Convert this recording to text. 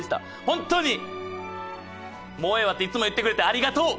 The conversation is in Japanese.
本当に「もうええわ」っていつも言ってくれてありがとう！